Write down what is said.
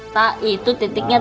tak itu titiknya tiga